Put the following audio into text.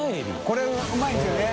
これうまいんですよね。